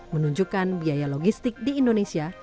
menunjukkan biaya logistik di indonesia